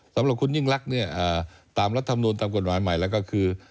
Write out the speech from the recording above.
สำหรับคุณยิ่งรักเนี่ยตามรัฐมนูลตามกฎหมายใหม่แล้วก็คือ